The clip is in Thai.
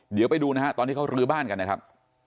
เดี๋ยวไปดูนะฮะตอนที่เขารื้อบ้านกันนะครับ